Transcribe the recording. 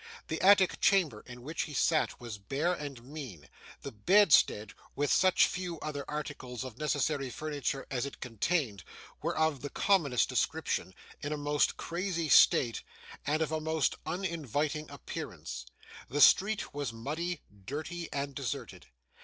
The attic chamber in which he sat was bare and mean; the bedstead, and such few other articles of necessary furniture as it contained, were of the commonest description, in a most crazy state, and of a most uninviting appearance. The street was muddy, dirty, and deserted.